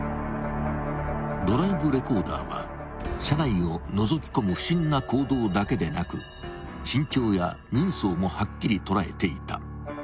［ドライブレコーダーは車内をのぞき込む不審な行動だけでなく身長や人相もはっきり捉えていた］